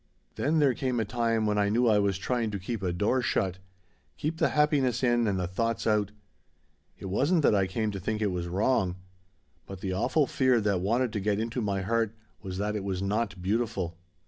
"Then there came a time when I knew I was trying to keep a door shut keep the happiness in and the thoughts out. It wasn't that I came to think it was wrong. But the awful fear that wanted to get into my heart was that it was not beautiful.